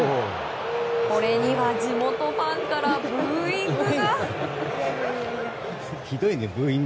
これには、地元ファンからブーイングが。